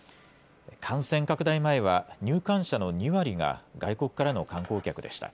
感染拡大前は、入館者の２割が、外国からの観光客でした。